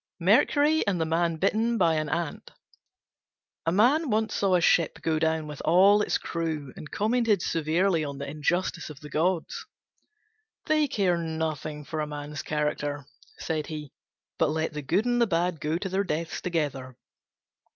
MERCURY AND THE MAN BITTEN BY AN ANT A Man once saw a ship go down with all its crew, and commented severely on the injustice of the gods. "They care nothing for a man's character," said he, "but let the good and the bad go to their deaths together."